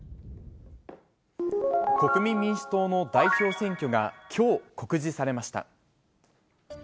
国民民主党の代表選挙が、きょう告示されました。